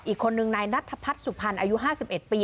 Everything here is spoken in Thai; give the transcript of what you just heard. อีกคนนึงนายนัทพัฒน์สุพรรณอายุ๕๑ปี